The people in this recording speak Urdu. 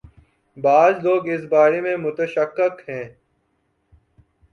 بعض لوگ اس بارے میں متشکک ہیں۔